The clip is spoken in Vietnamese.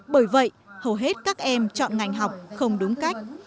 bởi vậy hầu hết các em chọn ngành học không đúng cách